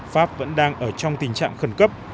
pháp vẫn đang ở trong tình trạng khẩn cấp